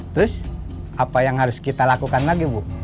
terus apa yang harus kita lakukan lagi bu